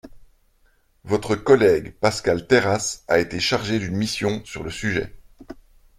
Votre collègue Pascal Terrasse a été chargé d’une mission sur le sujet.